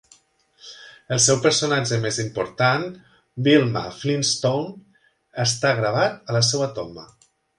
El seu personatge més important, Wilma Flintstone, està gravat a la seva tomba.